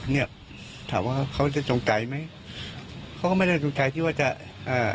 เนี้ยถามว่าเขาจะจงใจไหมเขาก็ไม่ได้จงใจที่ว่าจะอ่า